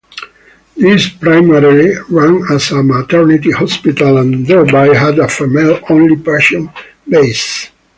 This primarily ran as a maternity hospital and thereby had a female-only patient base.